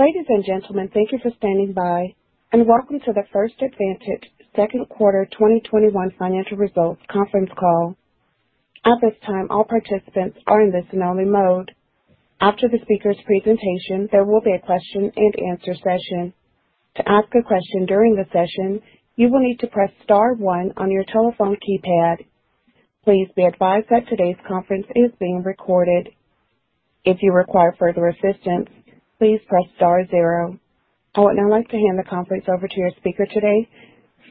Ladies and gentlemen, thank you for standing by, and welcome to the First Advantage Second Quarter 2021 Financial Results Conference Call. At this time, all participants are in listen-only mode. After the speaker's presentation, there will be a question-and-answer session. To ask a question during the session, you will need to press star one on your telephone keypad. Please be advised that today's conference is being recorded. If you require further assistance, please press star zero. I would now like to hand the conference over to your speaker today,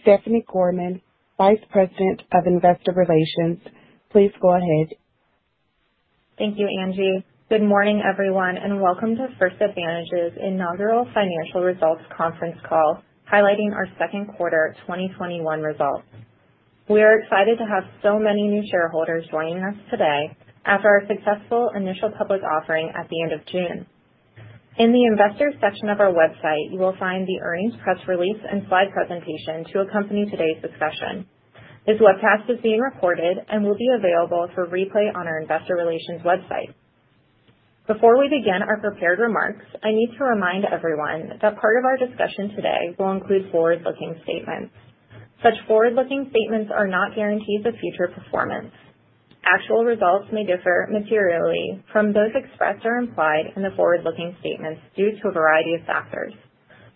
Stephanie Gorman, Vice President of Investor Relations. Please go ahead. Thank you, Angie. Welcome to First Advantage's Inaugural Financial Results Conference. Call highlighting our second quarter 2021 results. We are excited to have so many new shareholders joining us today after our successful initial public offering at the end of June. In the investors section of our website, you will find the earnings press release and slide presentation to accompany today's discussion. This webcast is being recorded and will be available for replay on our investor relations website. Before we begin our prepared remarks, I need to remind everyone that part of our discussion today will include forward-looking statements. Such forward-looking statements are not guarantees of future performance. Actual results may differ materially from those expressed or implied in the forward-looking statements due to a variety of factors.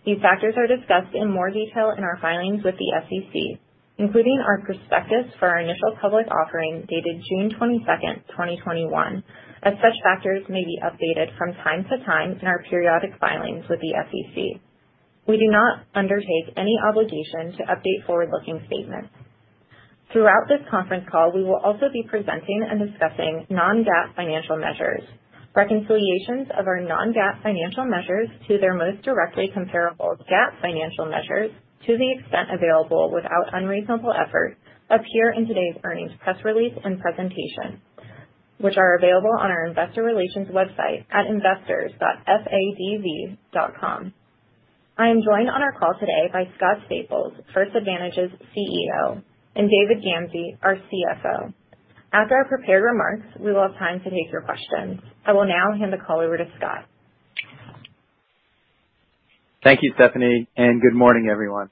These factors are discussed in more detail in our filings with the SEC, including our prospectus for our initial public offering dated June 22, 2021, as such factors may be updated from time to time in our periodic filings with the SEC. We do not undertake any obligation to update forward-looking statements. Throughout this conference call, we will also be presenting and discussing non-GAAP financial measures. Reconciliations of our non-GAAP financial measures to their most directly comparable GAAP financial measures to the extent available without unreasonable effort appear in today's earnings press release and presentation, which are available on our investor relations website at investors.fadv.com. I am joined on our call today by Scott Staples, First Advantage's CEO, and David L. Gamsey, our CFO. After our prepared remarks, we will have time to take your questions. I will now hand the call over to Scott. Thank you, Stephanie, and good morning, everyone.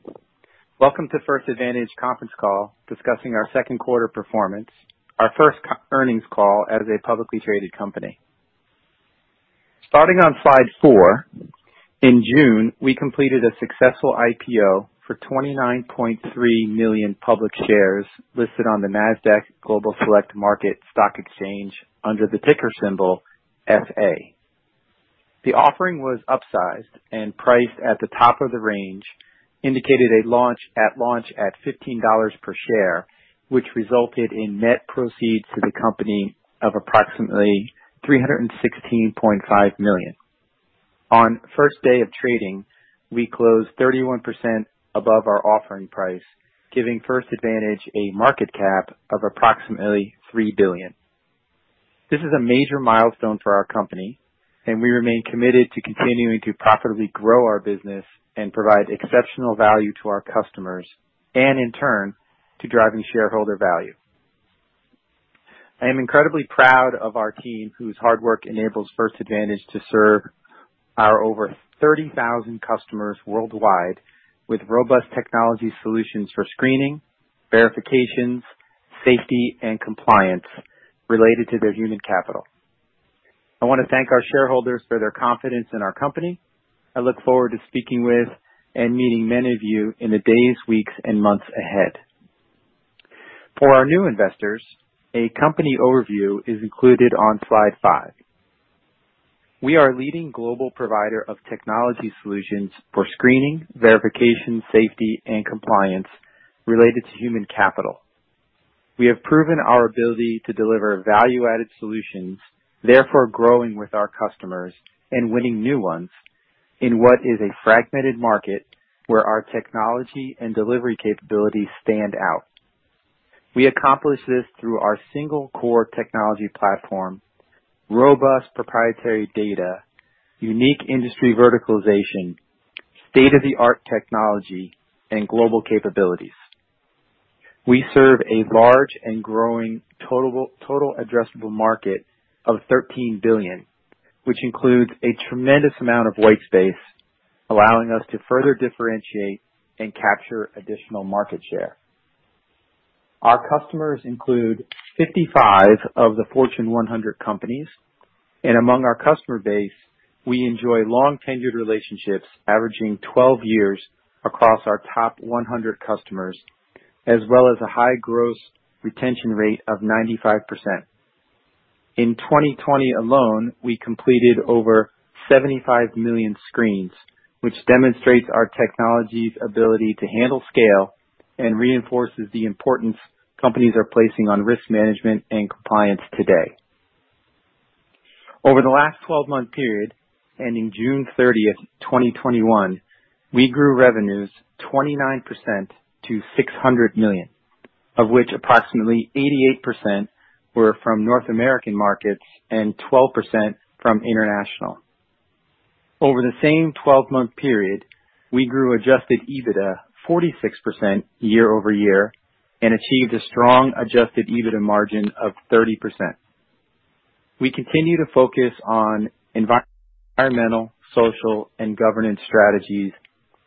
Welcome to the First Advantage conference call discussing our second quarter performance, our first earnings call as a publicly traded company. Starting on slide four, in June, we completed a successful IPO for 29.3 million public shares listed on the Nasdaq Global Select Market stock exchange under the ticker symbol FA. The offering was upsized and priced at the top of the range, indicated at launch at $15 per share, which resulted in net proceeds to the company of approximately $316.5 million. On the first day of trading, we closed 31% above our offering price, giving First Advantage a market cap of approximately $3 billion. This is a major milestone for our company, and we remain committed to continuing to profitably grow our business and provide exceptional value to our customers and, in turn, to driving shareholder value. I am incredibly proud of our team whose hard work enables First Advantage to serve our over 30,000 customers worldwide with robust technology solutions for screening, verifications, safety, and compliance related to their human capital. I want to thank our shareholders for their confidence in our company. I look forward to speaking with and meeting many of you in the days, weeks, and months ahead. For our new investors, a company overview is included on slide five. We are a leading global provider of technology solutions for screening, verification, safety, and compliance related to human capital. We have proven our ability to deliver value-added solutions, therefore growing with our customers and winning new ones in what is a fragmented market where our technology and delivery capabilities stand out. We accomplish this through our single core technology platform, robust proprietary data, unique industry verticalization, state-of-the-art technology, and global capabilities. We serve a large and growing total addressable market of $13 billion, which includes a tremendous amount of white space, allowing us to further differentiate and capture additional market share. Our customers include 55 of the Fortune 100 companies. Among our customer base, we enjoy long-tenured relationships averaging 12 years across our top 100 customers, as well as a high gross retention rate of 95%. In 2020 alone, we completed over 75 million screens, which demonstrates our technology's ability to handle scale and reinforces the importance companies are placing on risk management and compliance today. Over the last 12-month period ending June 30, 2021, we grew revenues 29% to $600 million, of which approximately 88% were from North American markets and 12% from international. Over the same 12-month period, we grew adjusted EBITDA 46% year-over-year and achieved a strong adjusted EBITDA margin of 30%. We continue to focus on environmental, social, and governance strategies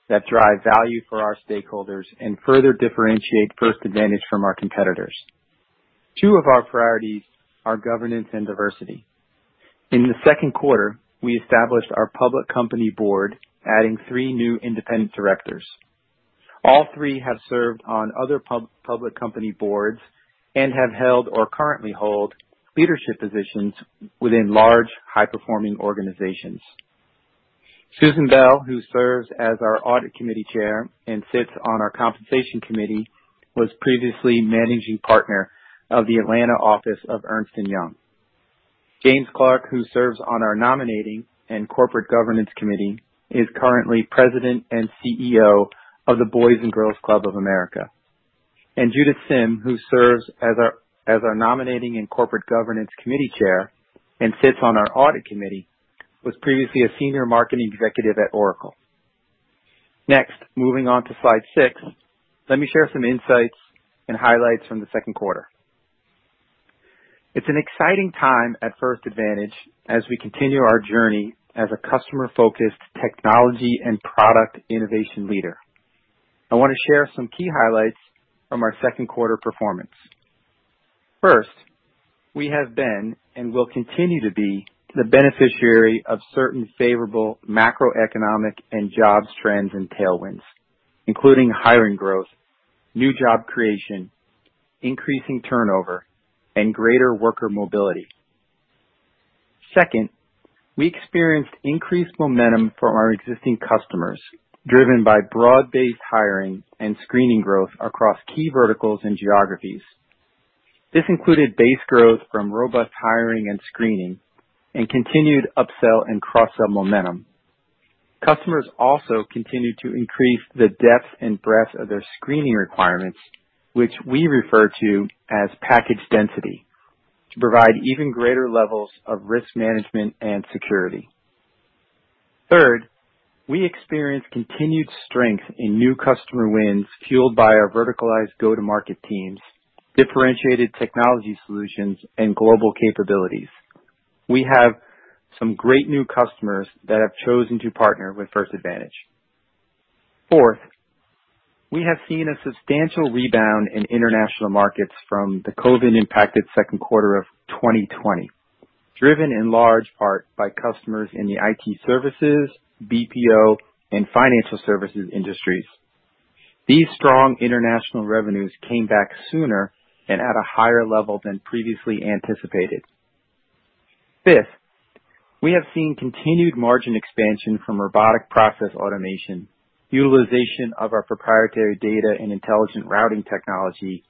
that drive value for our stakeholders and further differentiate First Advantage from our competitors. Two of our priorities are governance and diversity. In the second quarter, we established our public company board, adding three new independent directors. All three have served on other public company boards and have held or currently hold leadership positions within large, high-performing organizations. Susan Bell, who serves as our Audit Committee Chair and sits on our Compensation Committee, was previously Managing Partner of the Atlanta office of Ernst & Young. James Clark, who serves on our Nominating and Corporate Governance Committee, is currently President and CEO of the Boys & Girls Clubs of America. Judith Sim, who serves as our Nominating and Corporate Governance Committee Chair and sits on our Audit Committee, was previously a Senior Marketing Executive at Oracle. Next, moving on to slide six, let me share some insights and highlights from the second quarter. It's an exciting time at First Advantage as we continue our journey as a customer-focused technology and product innovation leader. I want to share some key highlights from our second quarter performance. First, we have been and will continue to be the beneficiary of certain favorable macroeconomic and jobs trends and tailwinds, including hiring growth, new job creation, increasing turnover, and greater worker mobility. Second, we experienced increased momentum from our existing customers, driven by broad-based hiring and screening growth across key verticals and geographies. This included base growth from robust hiring and screening and continued upsell and cross-sell momentum. Customers also continued to increase the depth and breadth of their screening requirements, which we refer to as package density, to provide even greater levels of risk management and security. Third, we experienced continued strength in new customer wins, fueled by our verticalized go-to-market teams, differentiated technology solutions, and global capabilities. We have some great new customers that have chosen to partner with First Advantage. Fourth, we have seen a substantial rebound in international markets from the COVID-impacted second quarter of 2020, driven in large part by customers in the IT services, BPO, and financial services industries. These strong international revenues came back sooner and at a higher level than previously anticipated. Fifth, we have seen continued margin expansion from robotic process automation, utilization of our proprietary data and intelligent routing technology,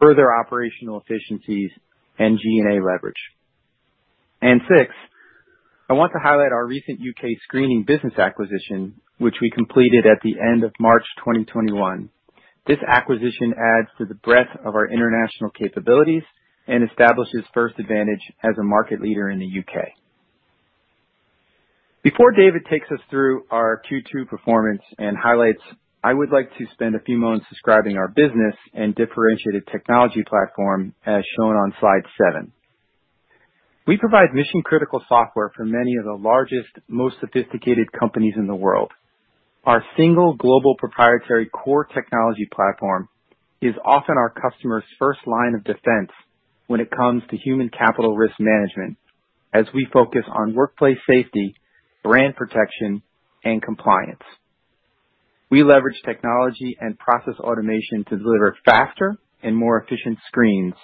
further operational efficiencies, and G&A leverage. Sixth, I want to highlight our recent U.K. screening business acquisition, which we completed at the end of March 2021. This acquisition adds to the breadth of our international capabilities and establishes First Advantage as a market leader in the U.K. Before David takes us through our Q2 performance and highlights, I would like to spend a few moments describing our business and differentiated technology platform, as shown on slide seven. We provide mission-critical software for many of the largest, most sophisticated companies in the world. Our single global proprietary core technology platform is often our customers' first line of defense when it comes to human capital risk management, as we focus on workplace safety, brand protection, and compliance. We leverage technology and process automation to deliver faster and more efficient screens,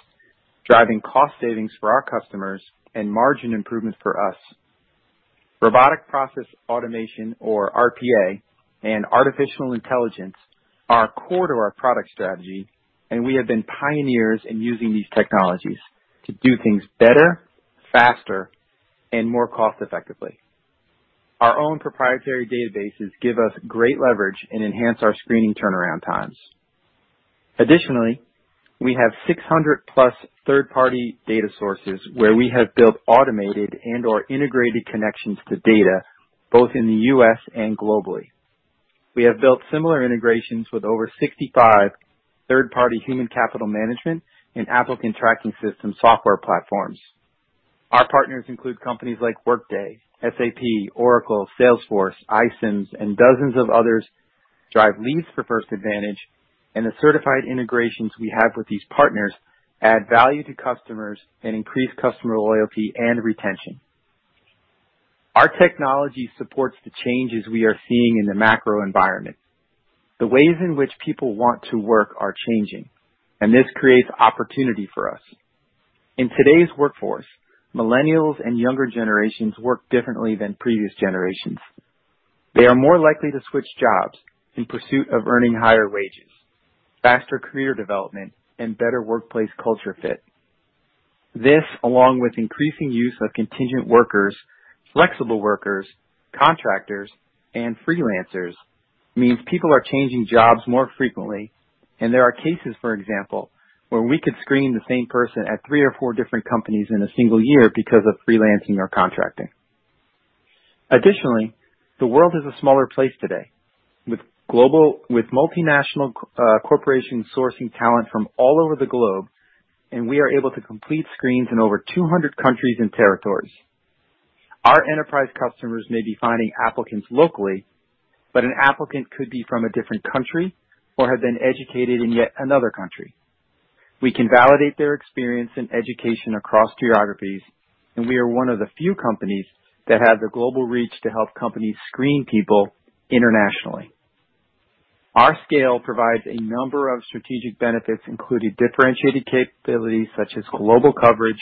driving cost savings for our customers and margin improvements for us. Robotic process automation, or RPA, and artificial intelligence are core to our product strategy, and we have been pioneers in using these technologies to do things better, faster, and more cost effectively. Our own proprietary databases give us great leverage and enhance our screening turnaround times. Additionally, we have 600+ third-party data sources where we have built automated and/or integrated connections to data both in the U.S. and globally. We have built similar integrations with over 65 third-party human capital management and applicant tracking system software platforms. Our partners include companies like Workday, SAP, Oracle, Salesforce, iCIMS, and dozens of others that drive leads for First Advantage, and the certified integrations we have with these partners add value to customers and increase customer loyalty and retention. Our technology supports the changes we are seeing in the macro environment. The ways in which people want to work are changing, and this creates opportunity for us. In today's workforce, millennials and younger generations work differently than previous generations. They are more likely to switch jobs in pursuit of earning higher wages, faster career development, and better workplace culture fit. This, along with increasing use of contingent workers, flexible workers, contractors, and freelancers, means people are changing jobs more frequently, and there are cases, for example, where we could screen the same person at three or four different companies in a single year because of freelancing or contracting. Additionally, the world is a smaller place today, with multinational corporations sourcing talent from all over the globe, and we are able to complete screens in over 200 countries and territories. Our enterprise customers may be finding applicants locally, but an applicant could be from a different country or have been educated in yet another country. We can validate their experience and education across geographies, and we are one of the few companies that have the global reach to help companies screen people internationally. Our scale provides a number of strategic benefits, including differentiated capabilities such as global coverage,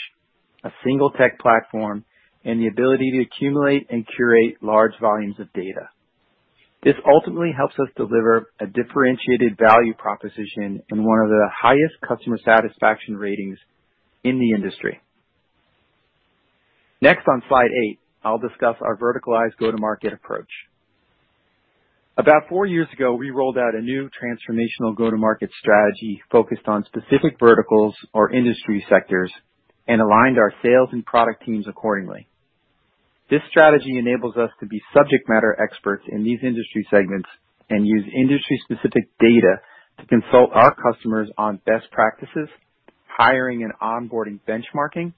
a single tech platform, and the ability to accumulate and curate large volumes of data. This ultimately helps us deliver a differentiated value proposition and one of the highest customer satisfaction ratings in the industry. Next, on slide eight, I'll discuss our verticalized go-to-market approach. About four years ago, we rolled out a new transformational go-to-market strategy focused on specific verticals or industry sectors and aligned our sales and product teams accordingly. This strategy enables us to be subject matter experts in these industry segments and use industry-specific data to consult our customers on best practices, hiring and onboarding benchmarking,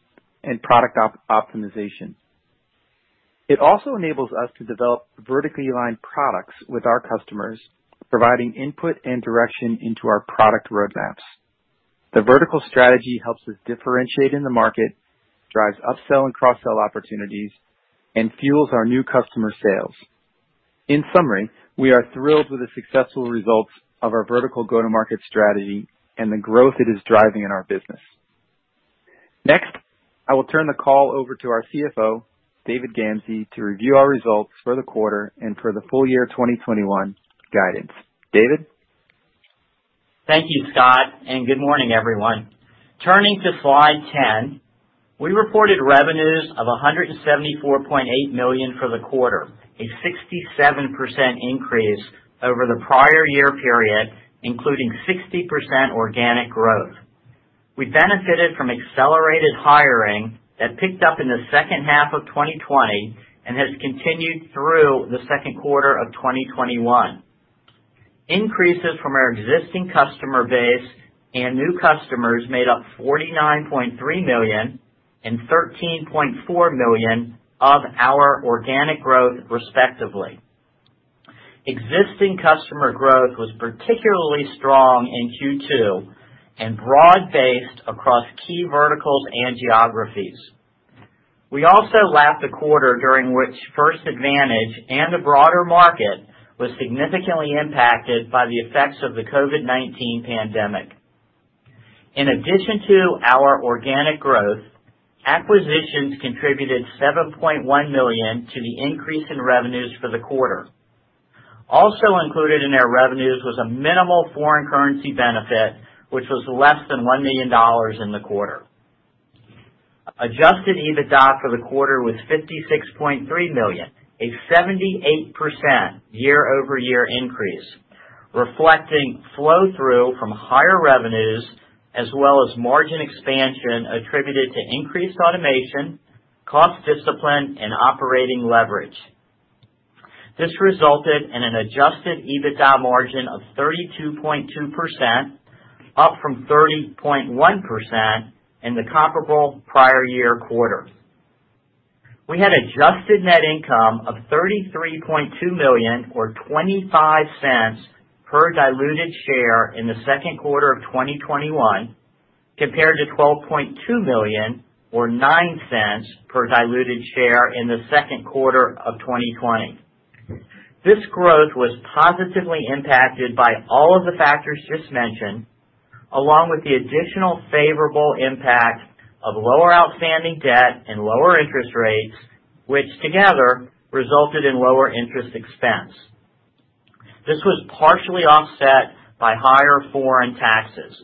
and product optimization. It also enables us to develop vertically aligned products with our customers, providing input and direction into our product roadmaps. The vertical strategy helps us differentiate in the market, drives upsell and cross-sell opportunities, and fuels our new customer sales. In summary, we are thrilled with the successful results of our vertical go-to-market strategy and the growth it is driving in our business. Next, I will turn the call over to our CFO, David Gamsey, to review our results for the quarter and for the full year 2021 guidance. David? Thank you, Scott. Good morning, everyone. Turning to slide 10, we reported revenues of $174.8 million for the quarter, a 67% increase over the prior-year period, including 60% organic growth. We benefited from accelerated hiring that picked up in the second half of 2020 and has continued through the second quarter of 2021. Increases from our existing customer base and new customers made up $49.3 million and $13.4 million of our organic growth, respectively. Existing customer growth was particularly strong in Q2 and broad-based across key verticals and geographies. We also lapped a quarter during which First Advantage and the broader market were significantly impacted by the effects of the COVID-19 pandemic. In addition to our organic growth, acquisitions contributed $7.1 million to the increase in revenues for the quarter. Also included in our revenues was a minimal foreign currency benefit, which was less than $1 million in the quarter. adjusted EBITDA for the quarter was $56.3 million, a 78% year-over-year increase, reflecting flow-through from higher revenues as well as margin expansion attributed to increased automation, cost discipline, and operating leverage. This resulted in an adjusted EBITDA margin of 32.2%, up from 30.1% in the comparable prior year quarter. We had an adjusted net income of $33.2 million, or $0.25 per diluted share, in the second quarter of 2021, compared to $12.2 million, or $0.09 per diluted share, in the second quarter of 2020. This growth was positively impacted by all of the factors just mentioned, along with the additional favorable impact of lower outstanding debt and lower interest rates, which together resulted in lower interest expense. This was partially offset by higher foreign taxes.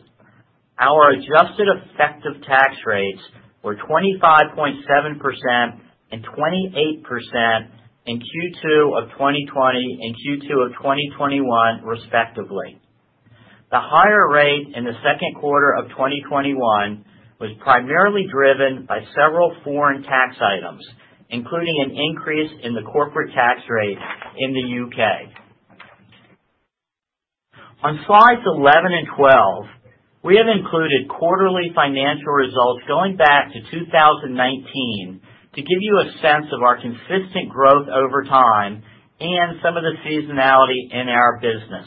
Our adjusted effective tax rates were 25.7% and 28% in Q2 of 2020 and Q2 of 2021, respectively. The higher rate in the second quarter of 2021 was primarily driven by several foreign tax items, including an increase in the corporate tax rate in the U.K. On slides 11 and 12, we have included quarterly financial results going back to 2019 to give you a sense of our consistent growth over time and some of the seasonality in our business.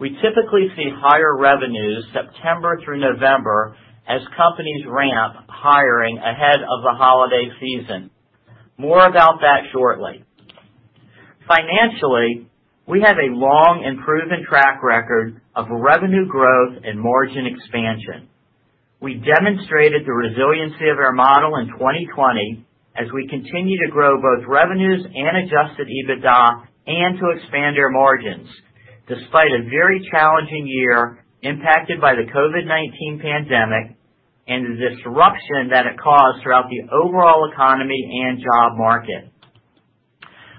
We typically see higher revenues from September through November as companies ramp hiring ahead of the holiday season. More about that shortly. Financially, we have a long and proven track record of revenue growth and margin expansion. We demonstrated the resiliency of our model in 2020 as we continue to grow both revenues and adjusted EBITDA and to expand our margins, despite a very challenging year impacted by the COVID-19 pandemic and the disruption that it caused throughout the overall economy and job market.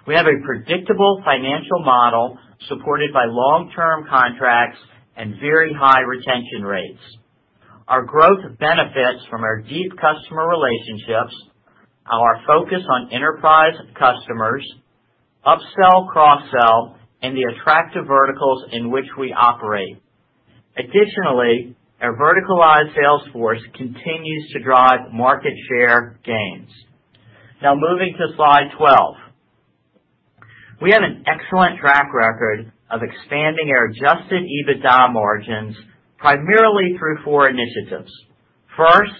We have a predictable financial model supported by long-term contracts and very high retention rates. Our growth benefits from our deep customer relationships, our focus on enterprise customers, upsell, and cross-sell, and the attractive verticals in which we operate. Additionally, our verticalized sales force continues to drive market share gains. Now moving to slide 12. We have an excellent track record of expanding our adjusted EBITDA margins primarily through four initiatives. First,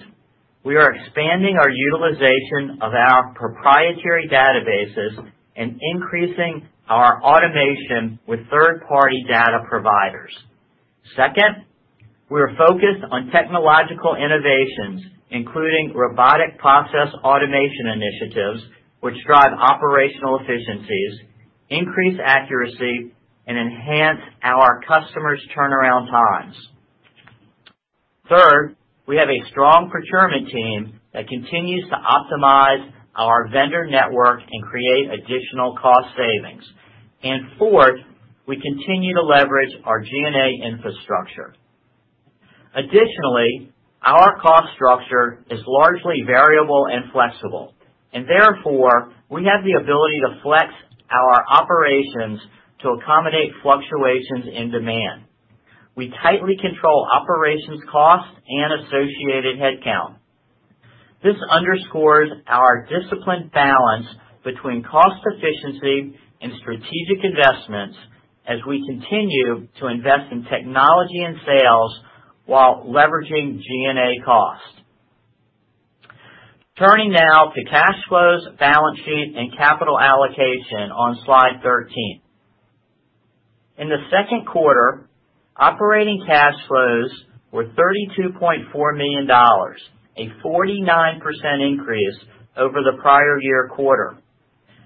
we are expanding the utilization of our proprietary databases and increasing our automation with third-party data providers. Second, we're focused on technological innovations, including robotic process automation initiatives, which drive operational efficiencies, increase accuracy, and enhance our customers' turnaround times. Third, we have a strong procurement team that continues to optimize our vendor network and create additional cost savings. Fourth, we continue to leverage our G&A infrastructure. Additionally, our cost structure is largely variable and flexible, and therefore, we have the ability to flex our operations to accommodate fluctuations in demand. We tightly control operations costs and associated headcount. This underscores our disciplined balance between cost efficiency and strategic investments as we continue to invest in technology and sales while leveraging G&A costs. Turning now to cash flows, balance sheet, and capital allocation on slide 13. In the second quarter, operating cash flows were $32.4 million, a 49% increase over the prior-year quarter.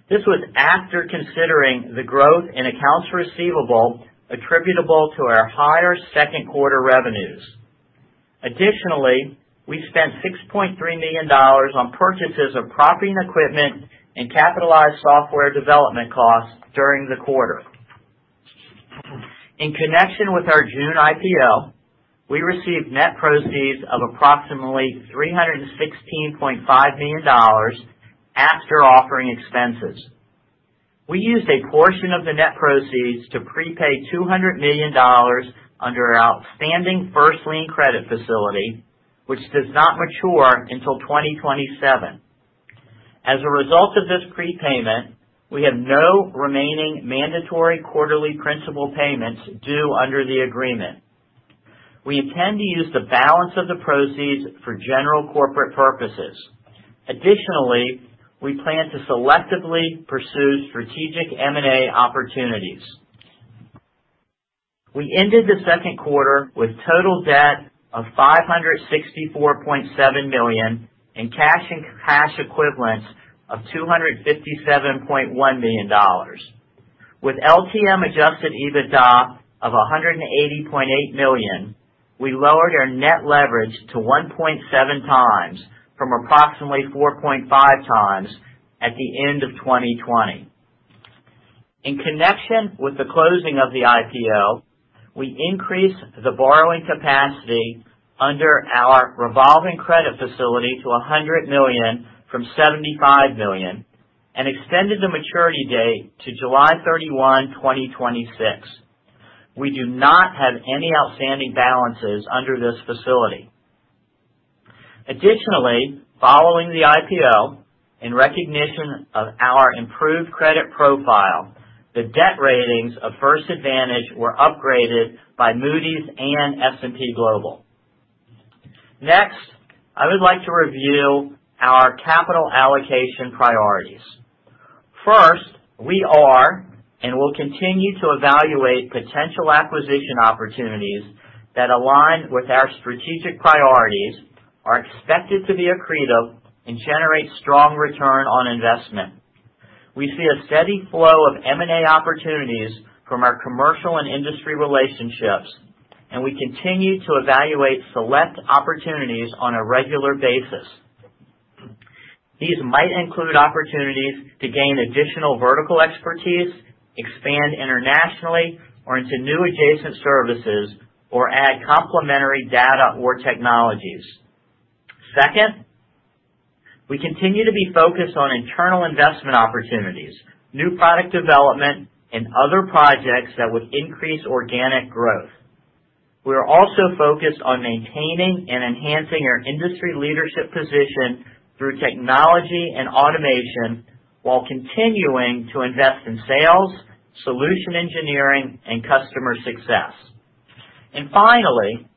This was after considering the growth in accounts receivable attributable to our higher second quarter revenues. Additionally, we spent $6.3 million on purchases of property, equipment, and capitalized software development costs during the quarter. In connection with our June IPO, we received net proceeds of approximately $316.5 million after offering expenses. We used a portion of the net proceeds to prepay $200 million under our outstanding first lien credit facility, which does not mature until 2027. As a result of this prepayment, we have no remaining mandatory quarterly principal payments due under the agreement. We intend to use the balance of the proceeds for general corporate purposes. Additionally, we plan to selectively pursue strategic M&A opportunities. We ended the second quarter with total debt of $564.7 million and cash and cash equivalents of $257.1 million. With LTM adjusted EBITDA of $180.8 million, we lowered our net leverage to 1.7x from approximately 4.5x at the end of 2020. In connection with the closing of the IPO, we increased the borrowing capacity under our revolving credit facility to $100 million from $75 million and extended the maturity date to July 31, 2026. We do not have any outstanding balances under this facility. Additionally, following the IPO, in recognition of our improved credit profile, the debt ratings of First Advantage were upgraded by Moody's and S&P Global. I would like to review our capital allocation priorities. First, we are and will continue to evaluate potential acquisition opportunities that align with our strategic priorities, are expected to be accretive, and generate a strong return on investment. We see a steady flow of M&A opportunities from our commercial and industry relationships, and we continue to evaluate select opportunities on a regular basis. These might include opportunities to gain additional vertical expertise, expand internationally or into new adjacent services, or add complementary data or technologies. Second, we continue to be focused on internal investment opportunities, new product development, and other projects that would increase organic growth. We are also focused on maintaining and enhancing our industry leadership position through technology and automation while continuing to invest in sales, solution engineering, and customer success. Finally,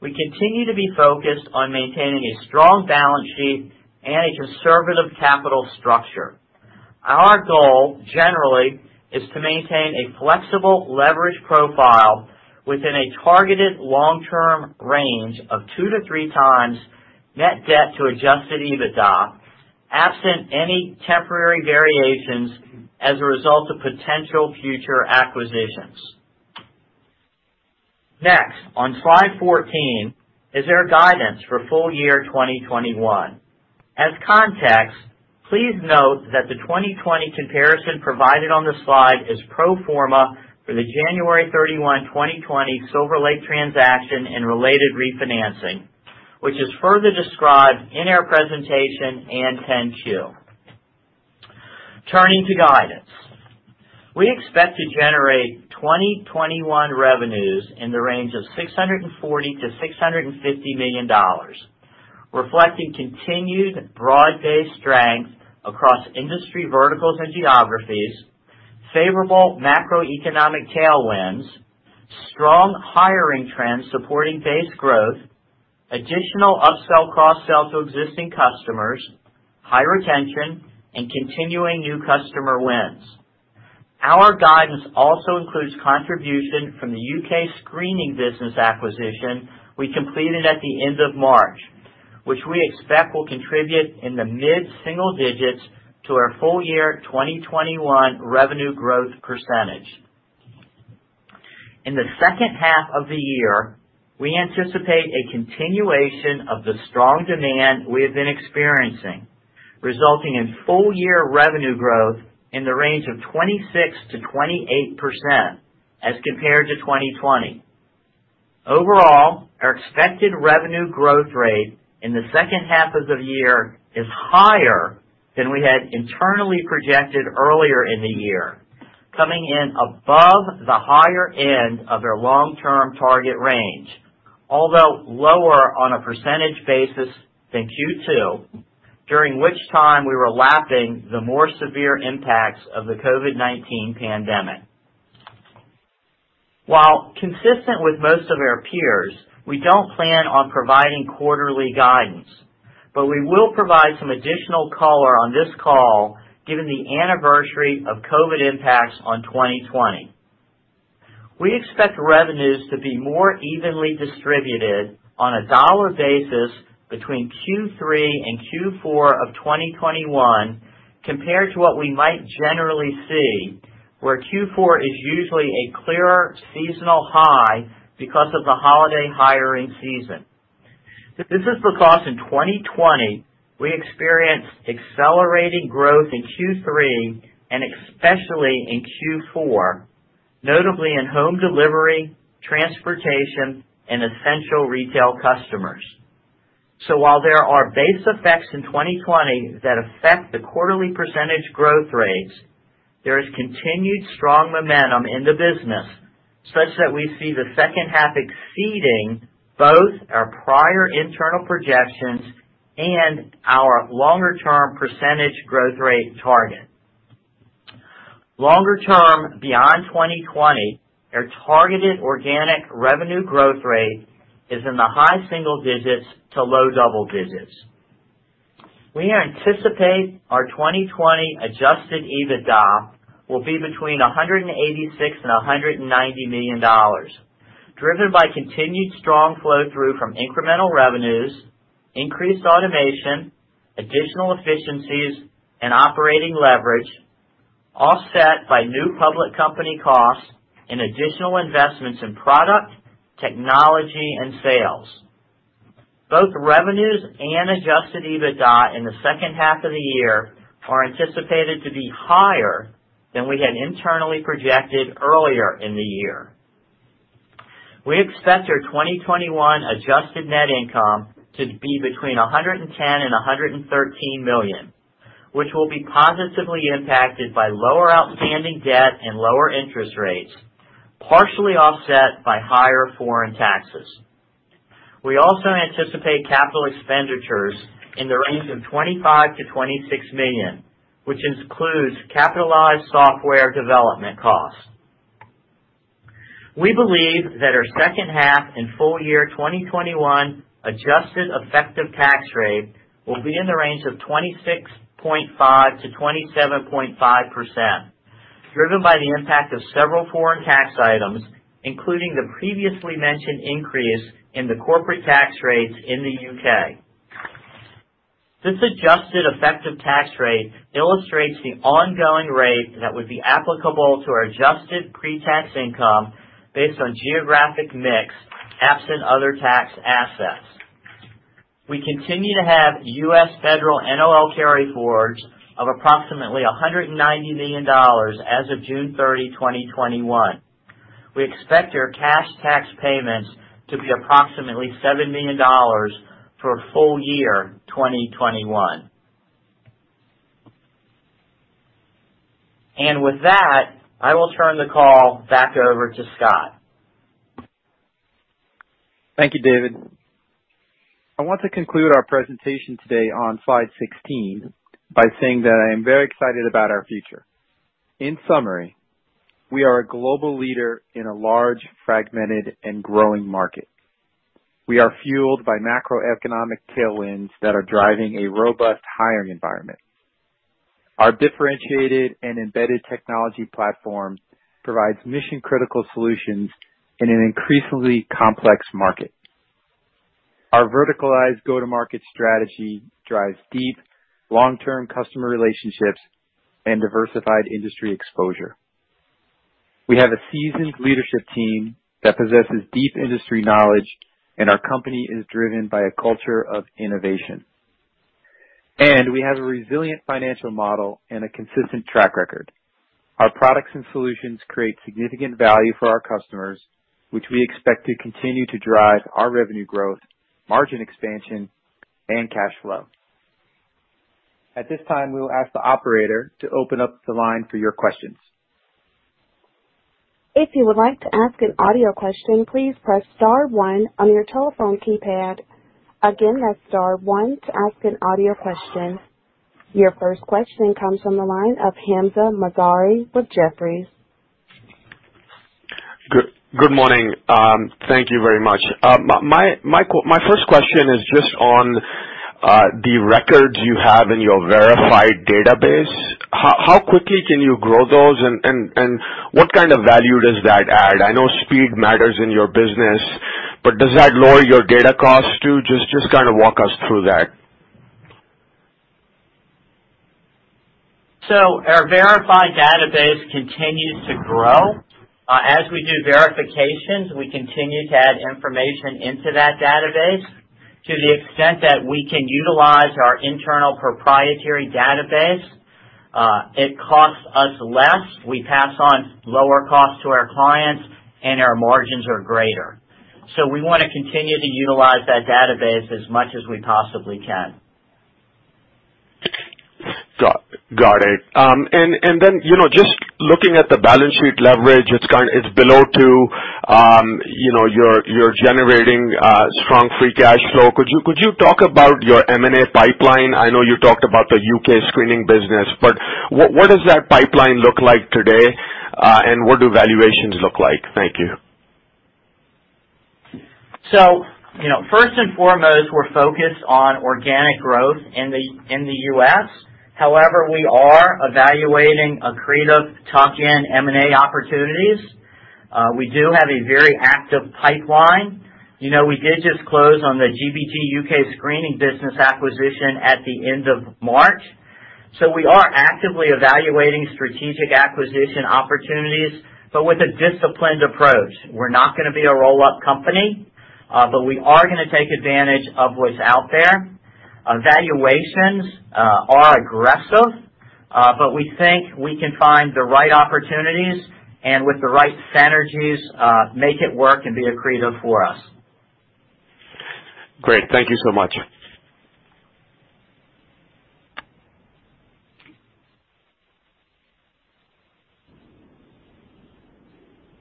we continue to be focused on maintaining a strong balance sheet and a conservative capital structure. Our goal, generally, is to maintain a flexible leverage profile within a targeted long-term range of two to three times net debt to adjusted EBITDA, absent any temporary variations as a result of potential future acquisitions. On slide 14, is our guidance for the full year 2021. As context, please note that the 2020 comparison provided on the slide is pro forma for the January 31, 2020 Silver Lake transaction and related refinancing, which is further described in our presentation and 10-Q. Turning to guidance. We expect to generate 2021 revenues in the range of $640 million-$650 million, reflecting continued broad-based strength across industry verticals and geographies, favorable macroeconomic tailwinds, strong hiring trends supporting base growth, additional upsell/cross-sell to existing customers, high retention, and continuing new customer wins. Our guidance also includes a contribution from the U.K. screening business acquisition we completed at the end of March, which we expect will contribute in the mid-single digits to our full-year 2021 revenue growth percentage. In the second half of the year, we anticipate a continuation of the strong demand we have been experiencing, resulting in full-year revenue growth in the range of 26%-28% as compared to 2020. Overall, our expected revenue growth rate in the second half of the year is higher than we had internally projected earlier in the year, coming in above the higher end of their long-term target range. Although lower on a percentage basis than Q2, during which time we were lapping the more severe impacts of the COVID-19 pandemic. While consistent with most of our peers, we don't plan on providing quarterly guidance. We will provide some additional color on this call given the anniversary of COVID-19 impacts on 2020. We expect revenues to be more evenly distributed on a dollar basis between Q3 and Q4 of 2021 compared to what we might generally see, where Q4 is usually a clearer seasonal high because of the holiday hiring season. This is because in 2020, we experienced accelerating growth in Q3 and especially in Q4, notably in home delivery, transportation, and essential retail customers. While there are base effects in 2020 that affect the quarterly percentage growth rates, there is continued strong momentum in the business such that we see the second half exceeding both our prior internal projections and our longer-term percentage growth rate target. Longer term, beyond 2020, our targeted organic revenue growth rate is in the high single digits to low double digits. We anticipate our 2020 adjusted EBITDA will be between $186 million and $190 million, driven by continued strong flow-through from incremental revenues, increased automation, additional efficiencies, and operating leverage, offset by new public company costs and additional investments in product, technology, and sales. Both revenues and adjusted EBITDA in the second half of the year are anticipated to be higher than we had internally projected earlier in the year. We expect our 2021 adjusted net income to be between $110 million and $113 million, which will be positively impacted by lower outstanding debt and lower interest rates, partially offset by higher foreign taxes. We also anticipate capital expenditures in the range of $25 million-$26 million, which includes capitalized software development costs. We believe that our second half and full year 2021 adjusted effective tax rate will be in the range of 26.5%-27.5%, driven by the impact of several foreign tax items, including the previously mentioned increase in the corporate tax rates in the U.K. This adjusted effective tax rate illustrates the ongoing rate that would be applicable to our adjusted pre-tax income based on geographic mix, absent other tax assets. We continue to have U.S. federal NOL carryforwards of approximately $190 million as of June 30, 2021. We expect our cash tax payments to be approximately $7 million for the full year 2021. With that, I will turn the call back over to Scott. Thank you, David. I want to conclude our presentation today on slide 16 by saying that I am very excited about our future. In summary, we are a global leader in a large, fragmented, and growing market. We are fueled by macroeconomic tailwinds that are driving a robust hiring environment. Our differentiated and embedded technology platform provides mission-critical solutions in an increasingly complex market. Our verticalized go-to-market strategy drives deep, long-term customer relationships and diversified industry exposure. We have a seasoned leadership team that possesses deep industry knowledge, and our company is driven by a culture of innovation. We have a resilient financial model and a consistent track record. Our products and solutions create significant value for our customers, which we expect to continue to drive our revenue growth, margin expansion, and cash flow. At this time, we will ask the operator to open up the line for your questions. If you would like to ask an audio question, please press star one on your telephone keypad. Again, that's star one to ask an audio question. Your first question comes from the line of Hamzah Mazari with Jefferies. Good morning. Thank you very much. My first question is just on the records you have in your verified database. How quickly can you grow those, and what kind of value does that add? I know speed matters in your business, but does that lower your data costs too? Just kinda walk us through that. Our verified database continues to grow. As we do verifications, we continue to add information into that database. To the extent that we can utilize our internal proprietary database, it costs us less. We pass on lower costs to our clients, and our margins are greater. We want to continue to utilize that database as much as we possibly can. Got it. Then, you know, just looking at the balance sheet leverage, it's below two. You know, you're generating strong free cash flow. Could you talk about your M&A pipeline? I know you talked about the U.K. screening business, what does that pipeline look like today, and what do valuations look like? Thank you. You know, first and foremost, we're focused on organic growth in the U.S. However, we are evaluating accretive tuck-in M&A opportunities. We do have a very active pipeline. You know, we did just close on the GBG UK screening business acquisition at the end of March. We are actively evaluating strategic acquisition opportunities, but with a disciplined approach. We're not going to be a roll-up company, but we are going to take advantage of what's out there. Valuations are aggressive, but we think we can find the right opportunities, and with the right synergies, make it work and be accretive for us. Great. Thank you so much.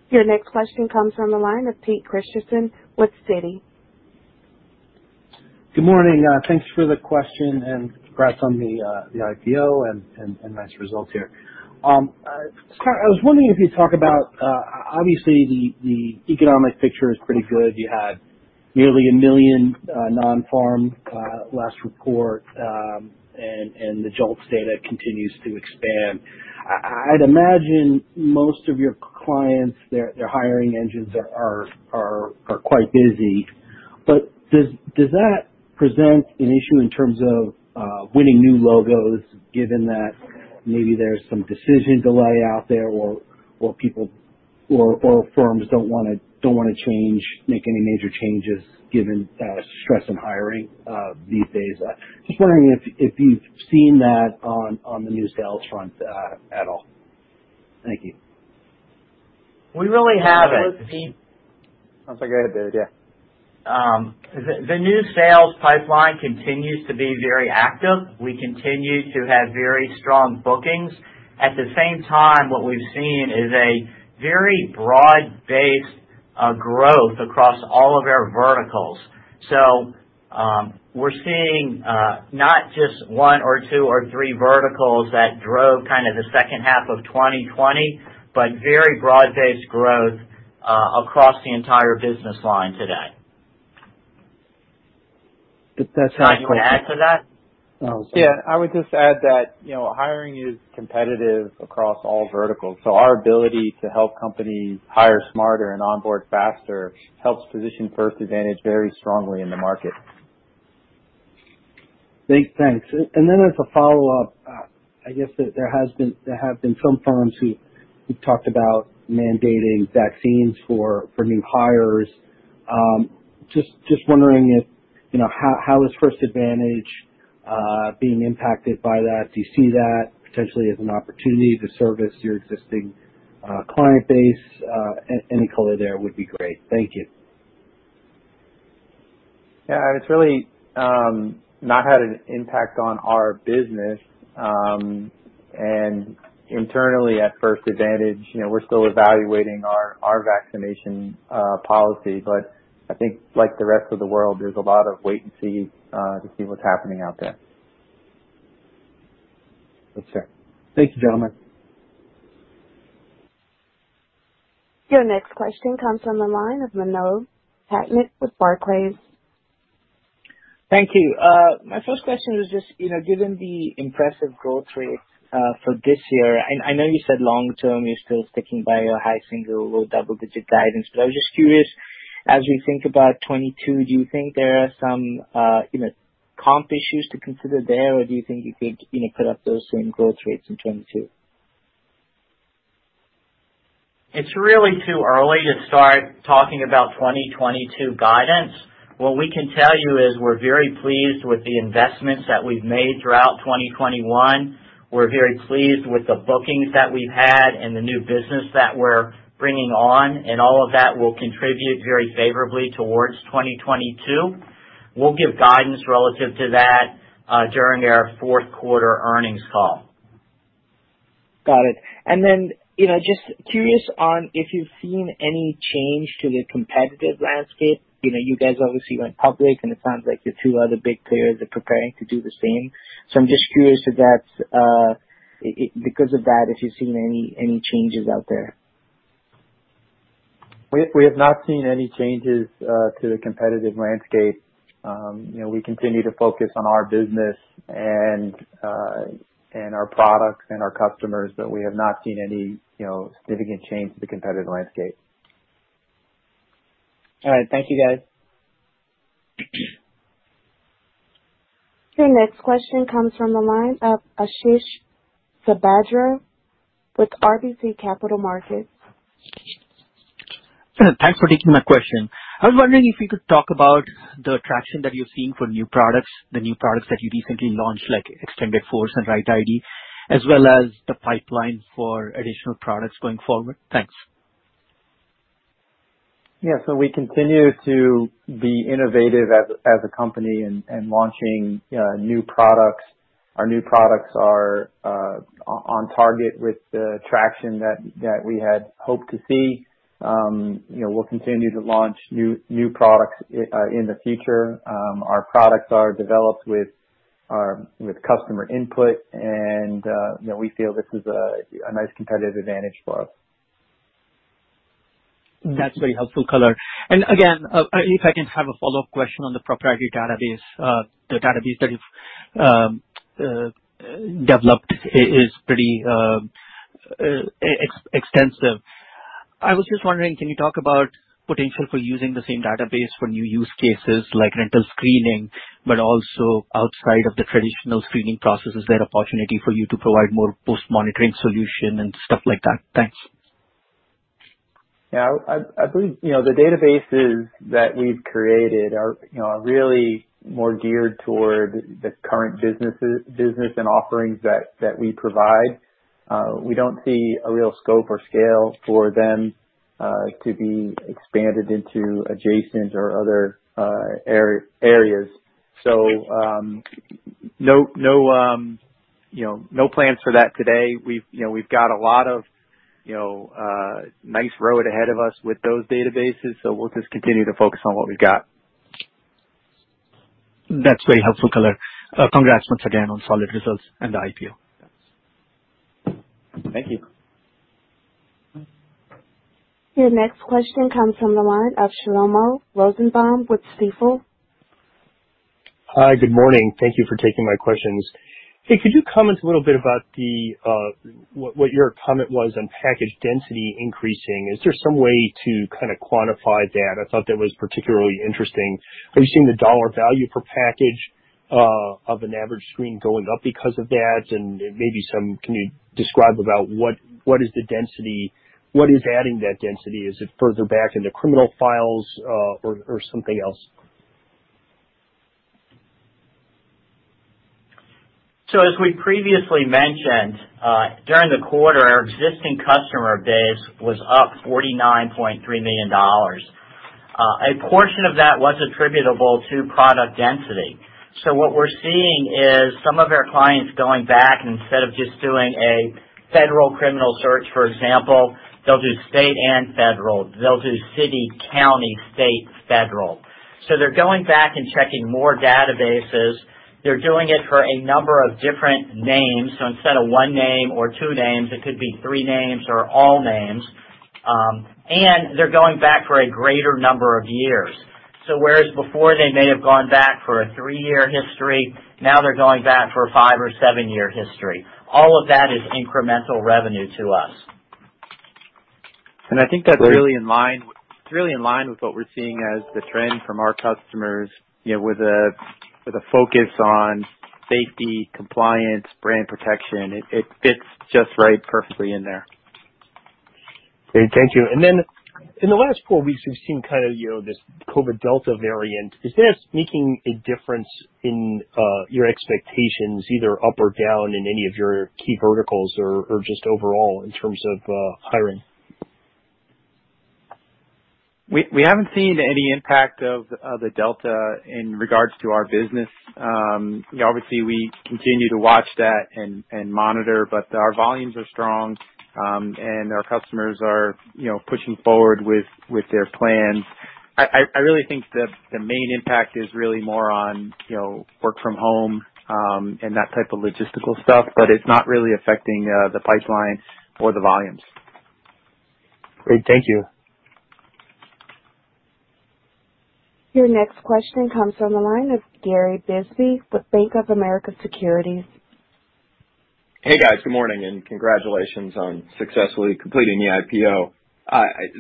Your next question comes from the line of Pete Christiansen with Citi. Good morning. Thanks for the question, and congrats on the IPO and nice results here. Scott, I was wondering if you'd talk about, obviously, the economic picture is pretty good. You had nearly a million nonfarm jobs in the last report, and the JOLTS data continues to expand. I'd imagine most of your clients' hiring engines are quite busy. Does that present an issue in terms of winning new logos, given that maybe there's some decision delay out there or people or firms don't want to change or make any major changes given stress in hiring these days? Just wondering if you've seen that on the new sales front at all. Thank you. We really haven't. Go ahead, Pete. [inaudible] The new sales pipeline continues to be very active. We continue to have very strong bookings. At the same time, what we've seen is a very broad-based growth across all of our verticals. We're seeing not just one or two or three verticals that drove kind of the second half of 2020, but very broad-based growth across the entire business line today. That's helpful. Scott, you want to add to that? Yeah. I would just add that, you know, hiring is competitive across all verticals, so our ability to help companies hire smarter and onboard faster helps position First Advantage very strongly in the market. Big thanks. Then as a follow-up, I guess there have been some firms who talked about mandating vaccines for new hires. Just wondering if, you know, how is First Advantage being impacted by that? Do you see that potentially as an opportunity to serve your existing client base? Any color there would be great. Thank you. Yeah. It's really not had an impact on our business. Internally at First Advantage, you know, we're still evaluating our vaccination policy. I think, like the rest of the world, there's a lot of waiting and seeing to see what's happening out there. That's fair. Thank you, gentlemen. Your next question comes from the line of Manav Patnaik with Barclays. Thank you. My first question was just, you know, given the impressive growth rate for this year, and I know you said long-term, you're still sticking by your high single- or double-digit guidance. I was just curious. As we think about 2022, do you think there are some, you know, comp issues to consider there, or do you think you could, you know, put up those same growth rates in 2022? It's really too early to start talking about 2022 guidance. What we can tell you is we're very pleased with the investments that we've made throughout 2021. We're very pleased with the bookings that we've had and the new business that we're bringing on, and all of that will contribute very favorably towards 2022. We'll give guidance relative to that during our fourth quarter earnings call. Got it. You know, I'm just curious if you've seen any change to the competitive landscape. You know, you guys obviously went public, and it sounds like the two other big players are preparing to do the same. I'm just curious if that's because of that and if you've seen any changes out there. We have not seen any changes to the competitive landscape. You know, we continue to focus on our business and our products and our customers, but we have not seen any, you know, significant change to the competitive landscape. All right. Thank you, guys. Your next question comes from the line of Ashish Sabadra with RBC Capital Markets. Thanks for taking my question. I was wondering if you could talk about the traction that you're seeing for new products, the new products that you recently launched, like Extended Workforce and RightID, as well as the pipeline for additional products going forward? Thanks. Yeah. We continue to be innovative as a company in launching new products. Our new products are on target with the traction that we had hoped to see. You know, we'll continue to launch new products in the future. Our products are developed with customer input, and, you know, we feel this is a nice competitive advantage for us. That's a very helpful color. Again, I can have a follow-up question on the proprietary database. The database that you've developed is pretty extensive. I was just wondering, can you talk about the potential for using the same database for new use cases like rental screening, but also outside of the traditional screening processes, is there an opportunity for you to provide more post-monitoring solutions and stuff like that? Thanks. Yeah. I believe, you know, the databases that we've created are, you know, really more geared toward the current business and offerings that we provide. We don't see a real scope or scale for them to be expanded into adjacent or other areas. No, you know, no plans for that today. We've got a lot of, you know, nice road ahead of us with those databases, we'll just continue to focus on what we've got. That's a very helpful color. congrats once again on solid results and the IPO. Thank you. Your next question comes from the line of Shlomo Rosenbaum with Stifel. Hi, good morning. Thank you for taking my questions. Hey, could you comment a little bit about what your comment was on package density increasing? Is there some way to kind of quantify that? I thought that was particularly interesting. Have you seen the dollar value per package of an average screen going up because of that? Maybe you can describe what the density is. What is adding that density? Is it further back in the criminal files or something else? As we previously mentioned, during the quarter, our existing customer base was up $49.3 million. A portion of that was attributable to package density. What we're seeing is some of our clients going back, and instead of just doing a federal criminal search, for example, they'll do state and federal. They'll do city, county, state, federal. They're going back and checking more databases. They're doing it for a number of different names. Instead of one name or two names, it could be three names or all names. They're going back for a greater number of years. Whereas before they may have gone back for a three-year history, now they're going back for a five- or seven-year history. All of that is incremental revenue to us. I think it's really in line with what we're seeing as the trend from our customers, you know, with a focus on safety, compliance, brand protection. It fits just right perfectly in there. Great. Thank you. Then in the last four weeks, we've seen kinda, you know, this COVID-19 Delta variant. Is this making a difference in your expectations, either up or down in any of your key verticals or just overall in terms of hiring? We haven't seen any impact of the Delta in regard to our business. You know, obviously, we continue to watch that and monitor, but our volumes are strong, and our customers are, you know, pushing forward with their plans. I really think the main impact is really more on, you know, work from home, and that type of logistical stuff, but it's not really affecting the pipeline or the volumes. Great. Thank you. Your next question comes from the line of Gary Bisbee with Bank of America Securities. Hey, guys. Good morning, and congratulations on successfully completing the IPO.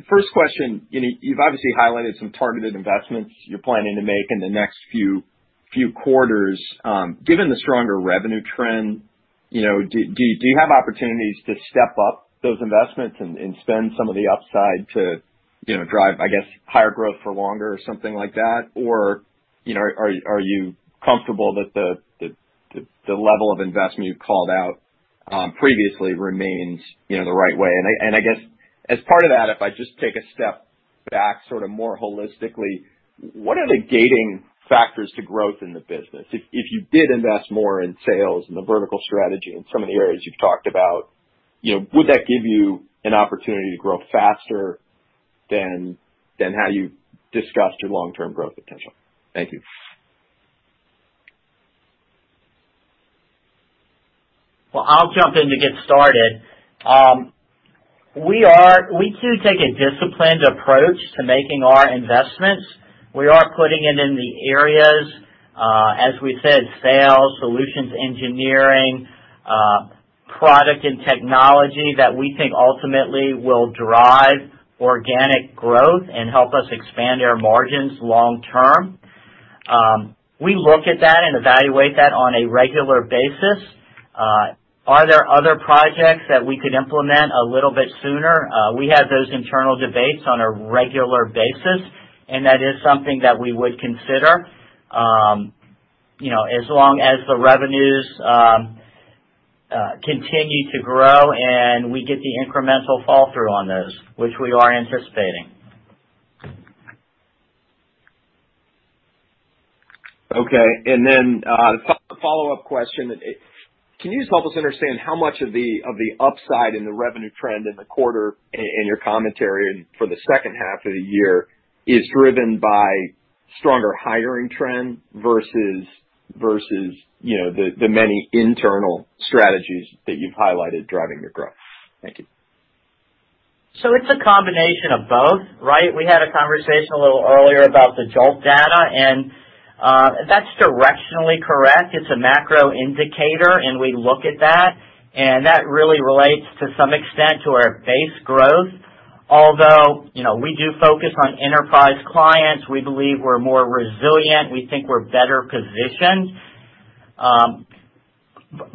First question, you know, you've obviously highlighted some targeted investments you're planning to make in the next few quarters. Given the stronger revenue trend, you know, do you have opportunities to step up those investments and spend some of the upside to, you know, drive, I guess, higher growth for longer or something like that? Or, you know, are you comfortable that the level of investment you've called out previously remains, you know, the right way? And I guess as part of that, if I just take a step back sort of more holistically, what are the gating factors to growth in the business? If you did invest more in sales and the vertical strategy and some of the areas you've talked about, you know, would that give you an opportunity to grow faster than how you discussed your long-term growth potential? Thank you. I'll jump in to get started. We do take a disciplined approach to making our investments. We are putting it in the areas, as we said, sales, solutions, engineering, product, and technology that we think ultimately will drive organic growth and help us expand our margins long term. We look at that and evaluate that on a regular basis. Are there other projects that we could implement a little bit sooner? We have those internal debates on a regular basis, and that is something that we would consider, you know, as long as the revenues continue to grow and we get the incremental fallout on those, which we are anticipating. Okay. Then, a follow-up question. Can you just help us understand how much of the upside in the revenue trend in the quarter in your commentary and for the second half of the year is driven by stronger hiring trends versus, you know, the many internal strategies that you've highlighted driving your growth? Thank you. It's a combination of both, right? We had a conversation a little earlier about the JOLTS data, and that's directionally correct. It's a macro indicator, and we look at that. That really relates to some extent to our base growth. Although, you know, we do focus on enterprise clients. We believe we're more resilient. We think we're better positioned.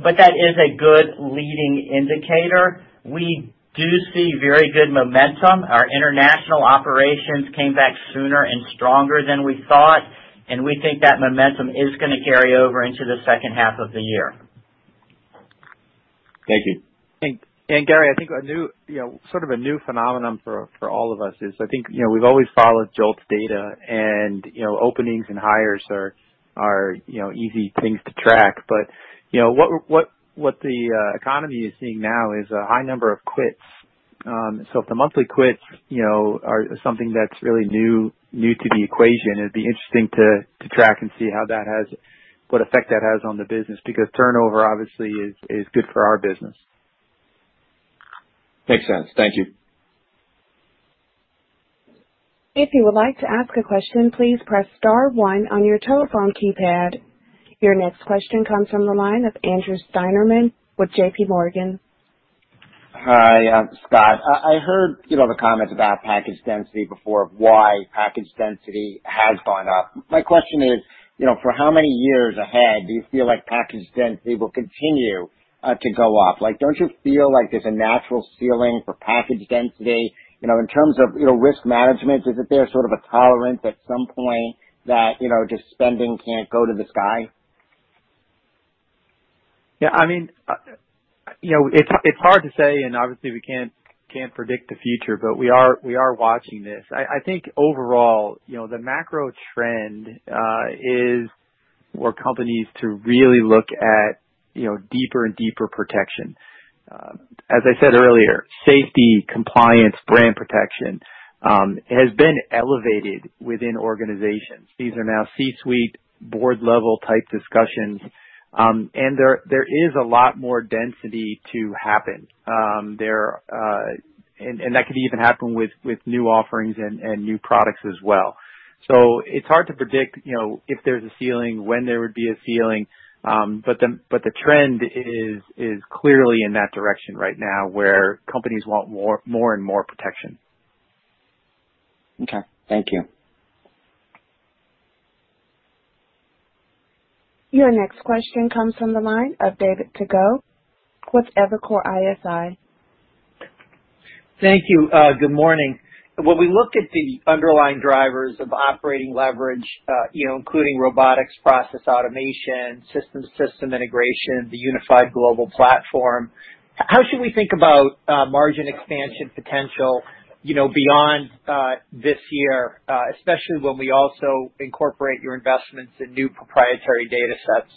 But that is a good leading indicator. We do see very good momentum. Our international operations came back sooner and stronger than we thought, and we think that momentum is going to carry over into the second half of the year. Thank you. Gary, I think a new, you know, sort of a new phenomenon for all of us is I think, you know, we've always followed JOLTS's data, and, you know, openings and hires are, you know, easy things to track. What the economy is seeing now is a high number of quits. If the monthly quits, you know, are something that's really new to the equation, it'd be interesting to track and see what effect that has on the business, because turnover, obviously, is good for our business. Makes sense. Thank you. If you would like to ask a question, please press star one on your telephone keypad. Your next question comes from the line of Andrew Steinerman with J.P. Morgan. Hi. Scott, I heard, you know, the comments about package density before and why package density has gone up. My question is, you know, for how many years ahead do you feel like package density will continue to go up? Like, don't you feel like there's a natural ceiling for package density? You know, in terms of, you know, risk management, isn't there sort of a tolerance at some point that, you know, just spending can't go to the sky? Yeah, I mean, you know, it's hard to say, and obviously we can't predict the future, but we are watching this. I think overall, you know, the macro trend is for companies to really look at, you know, deeper and deeper protection. As I said earlier, safety, compliance, and brand protection have been elevated within organizations. These are now C-suite board-level type discussions. There is a lot more density to happen. That could even happen with new offerings and new products as well. It's hard to predict, you know, if there's a ceiling or when there would be a ceiling. The trend is clearly in that direction right now, where companies want more and more protection. Okay. Thank you. Your next question comes from the line of David Togut with Evercore ISI. Thank you. Good morning. When we look at the underlying drivers of operating leverage, you know, including robotics, process automation, system-to-system integration, the unified global platform, how should we think about margin expansion potential, you know, beyond this year, especially when we also incorporate your investments in new proprietary data sets?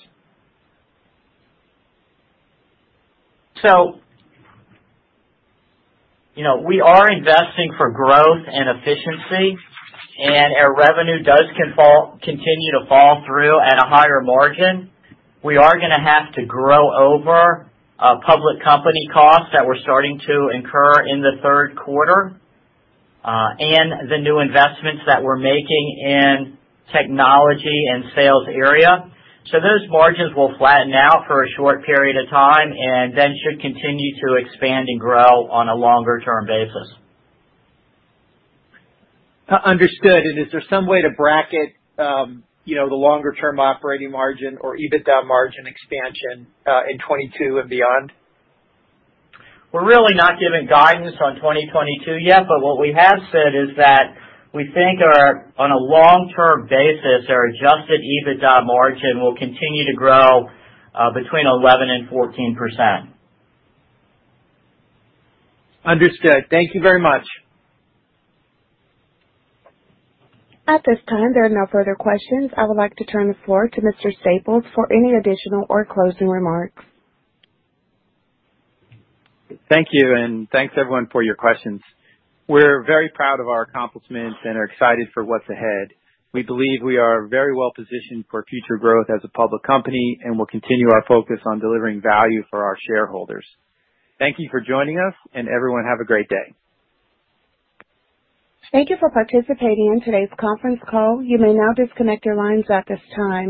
You know, we are investing for growth and efficiency, and our revenue continues to fall through at a higher margin. We are going to have to grow over public company costs that we're starting to incur in the third quarter and the new investments that we're making in the technology and sales areas. Those margins will flatten out for a short period of time and then should continue to expand and grow on a longer-term basis. Understood. Is there some way to bracket, you know, the longer-term operating margin or EBITDA margin expansion in 2022 and beyond? We're really not giving guidance on 2022 yet, but what we have said is that we think our, on a long-term basis, adjusted EBITDA margin will continue to grow, between 11% and 14%. Understood. Thank you very much. At this time, there are no further questions. I would like to turn the floor to Mr. Staples for any additional or closing remarks. Thank you, thanks, everyone, for your questions. We're very proud of our accomplishments and are excited for what's ahead. We believe we are very well positioned for future growth as a public company, and we'll continue our focus on delivering value for our shareholders. Thank you for joining us, and everyone, have a great day. Thank you for participating in today's conference call. You may now disconnect your lines at this time.